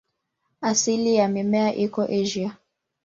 Asili ya mimea iko Asia.